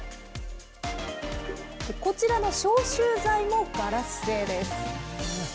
こちらの消臭剤もガラス製です。